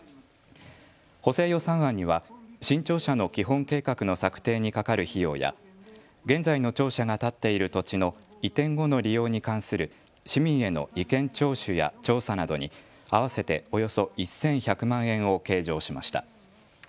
補正予算案には新庁舎の基本計画の策定にかかる費用や現在の庁舎が建っている土地の移転後の利用に関する市民への意見聴取や調査などに合わせておよそ１１００万円を計上しました。